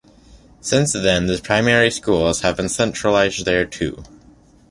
Since then the primary schools have been centralized there too.